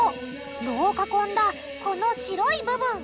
炉を囲んだこの白い部分！